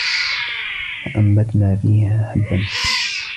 فَأَنبَتنا فيها حَبًّا